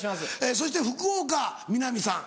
そして福岡みなみさん。